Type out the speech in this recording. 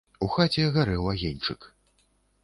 У хаце гарэў агеньчык.